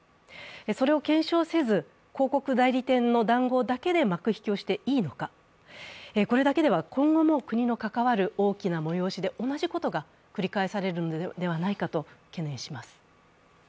それを検証せず広告代理店の談合だけで幕引きをしていいのか、これだけでは今後の国の関わる大きな催しで同じことが繰り返されるのではないかと懸念されます。